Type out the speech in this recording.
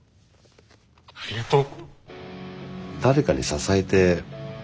ありがとう。